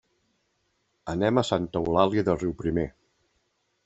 Anem a Santa Eulàlia de Riuprimer.